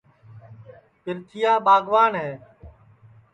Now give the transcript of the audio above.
پِرتھِیا ٻاگوان ہے